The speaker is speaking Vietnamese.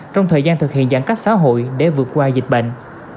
trong thời gian thực hiện giãn cách xã hội để vượt qua dịch bệnh